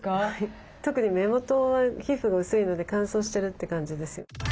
特に目元は皮膚が薄いので乾燥してるって感じです。